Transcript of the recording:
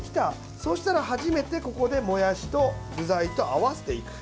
そうしたら初めて、ここでもやしと具材と合わせていく。